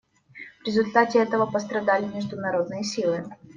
В результате этого пострадали международные силы.